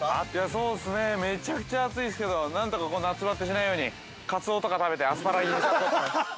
◆そうですね、めちゃくちゃ暑いですけど何とか夏ばてしないように、カツオとか食べてアスパラギン酸とってます。